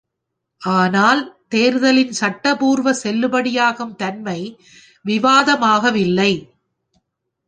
ஆனால் தேர்தலின் சட்டப்பூர்வ செல்லுபடியாகும் தன்மை விவாதமாகவில்லை.